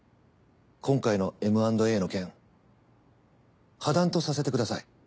今回のＭ＆Ａの件破談とさせてください。